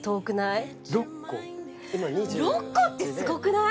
６個ってすごくない？